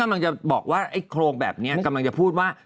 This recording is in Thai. มันจะบอกว่าไอ้โครงแบบนี้กำลังจะพูดว่า